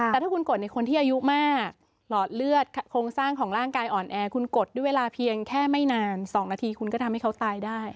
แต่ถ้าคุณกดในคนที่อายุมากหลอดเลือดโครงสร้างของร่างกายอ่อนแอคุณกดด้วยเวลาเพียงแค่ไม่นาน๒นาทีคุณก็ทำให้เขาตายได้